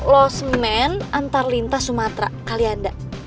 lost man antar lintas sumatra kalianda